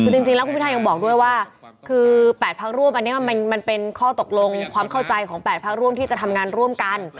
คือจริงแล้วคุณพิทายังบอกด้วยว่าคือ๘พักร่วมอันนี้มันเป็นข้อตกลงความเข้าใจของ๘พักร่วมที่จะทำงานร่วมกัน